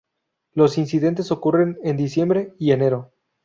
Los incidentes ocurren en diciembre y enero.